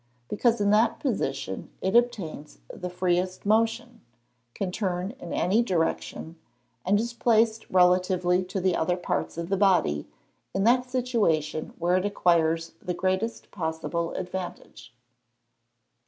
_ Because in that position it obtains the freest motion, can turn in any direction, and is placed relatively to the other parts of the body, in that situation where it acquires the greatest possible advantage.